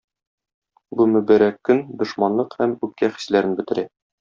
Бу мөбарәк көн дошманлык һәм үпкә хисләрен бетерә.